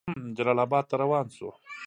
جلال آباد ته روان شو.